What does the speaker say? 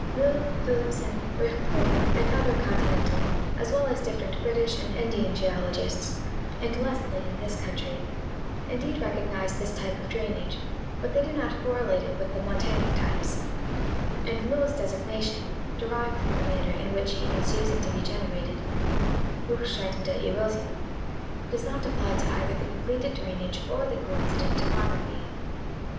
Lowl, Phillipson, Richt The Classification of Geogra/phic Forms hy Genesis. 35 hof en, and other continental, as well as different British and Indian geologists, and Lesley in this country, indeed recognize this type of drainage, but they do not correlate it with the montanic types; and Lowl's designation, derived from the manner in which he con ceives it to be generated (" rtickschreitende Erosion"), does not apply to either the completed drainage, or the coincident topog raphy.